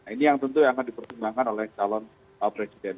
ini yang tentu yang akan dipertimbangkan oleh calon presiden